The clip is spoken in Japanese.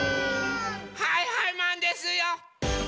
はいはいマンですよ！